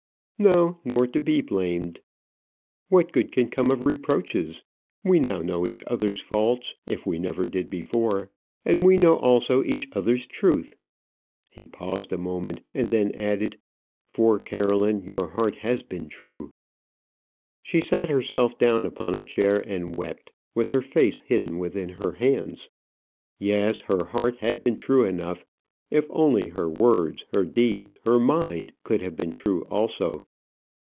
"No, nor to be blamed. What good can come of reproaches? We now know each other's faults, if we never did before. And we know also each other's truth " He paused a moment, and then added, "For, Caroline, your heart has been true." She sat herself down upon a chair, and wept, with her face hidden within her hands. Yes, her heart had been true enough; if only her words, her deeds, her mind could have been true also.